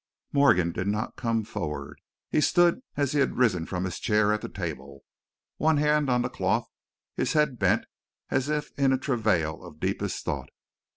Morgan did not come forward. He stood as he had risen from his chair at the table, one hand on the cloth, his head bent as if in a travail of deepest thought.